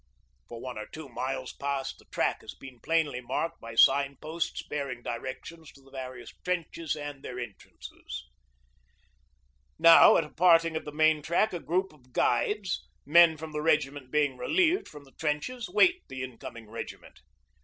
For one or two miles past the track has been plainly marked by sign posts bearing directions to the various trenches and their entrances. Now, at a parting of the main track, a group of 'guides' men from the regiment being relieved from the trenches wait the incoming regiment.